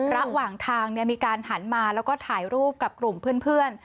ระหว่างทางมีการหันมาแล้วก็ถ่ายรูปกับกลุ่มเพื่อน